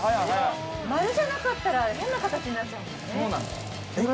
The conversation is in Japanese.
丸じゃなかったら変な形になっちゃうもんね。